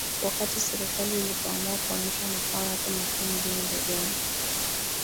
wakati Serikali ilipoamua kuhamishia makao yake makuu mjini Dodoma